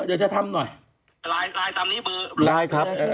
ใดใจทำหน่อย